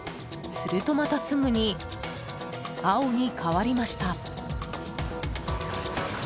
すると、またすぐに青に変わりました。